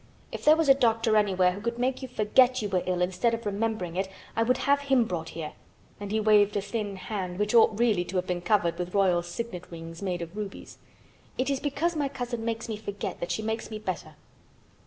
If there was a doctor anywhere who could make you forget you were ill instead of remembering it I would have him brought here." And he waved a thin hand which ought really to have been covered with royal signet rings made of rubies. "It is because my cousin makes me forget that she makes me better."